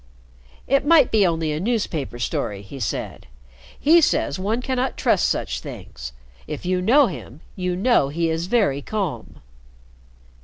"It might be only a newspaper story," he said. "He says one cannot trust such things. If you know him, you know he is very calm."